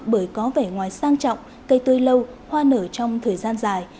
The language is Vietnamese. bởi có vẻ ngoài sang trọng cây tươi lâu hoa nở trong thời gian dài